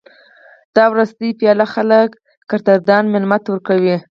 دا وروستۍ پیاله خلک قدردان مېلمه ته ورکوي.